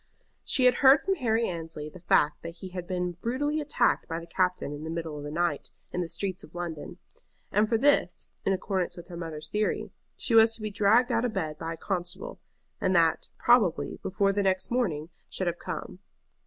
She had heard from Harry Annesley the fact that he had been brutally attacked by the captain in the middle of the night in the streets of London; and for this, in accordance with her mother's theory, she was to be dragged out of bed by a constable, and that, probably, before the next morning should have come.